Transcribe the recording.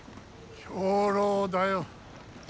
兵糧だよ。